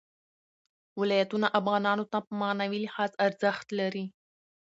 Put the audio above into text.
ولایتونه افغانانو ته په معنوي لحاظ ارزښت لري.